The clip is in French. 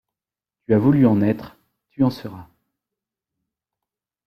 Tu as voulu en être, tu en seras...